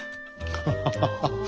ハハハハッ。